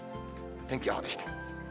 天気予報でした。